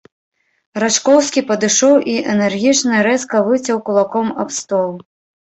Рачкоўскі падышоў і энергічна, рэзка выцяў кулаком аб стол.